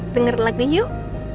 dengar lagu yuk